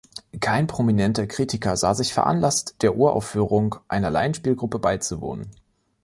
Kein prominenter Kritiker sah sich veranlasst, der Uraufführung einer Laienspielgruppe beizuwohnen.